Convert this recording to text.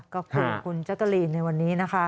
ขอบคุณคุณแจ๊กกะลีนในวันนี้นะคะ